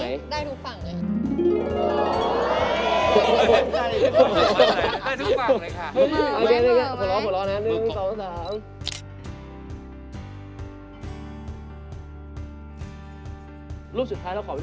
หมายถึงหน้าตาตายี่ฟังไหน